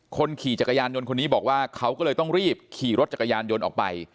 คนขี่จักรยานยนต์คนนี้บอกว่าเขาก็เลยต้องรีบขี่รถจักรยานยนต์ออกไป